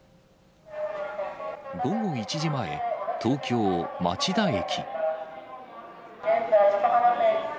午後１時前、東京・町田駅。